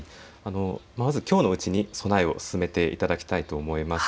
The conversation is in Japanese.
まず、きょうのうちに備えを進めていただきたいと思います。